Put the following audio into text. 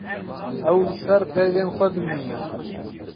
Ew li ser peyvên xwe dimîne.